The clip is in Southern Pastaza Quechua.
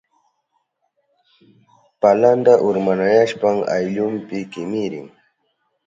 Palanta urmanayashpan ayllunpi kimirin.